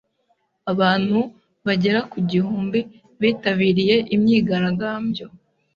Abantu bagera ku gihumbi bitabiriye imyigaragambyo.